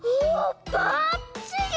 ばっちり！